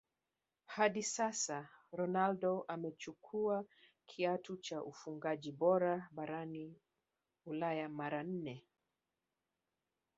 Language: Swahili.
Hadi sasa Ronaldo amechukua kiatu cha ufungaji bora barani ulaya mara nne